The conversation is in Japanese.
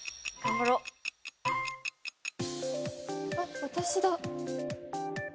あっ私だ。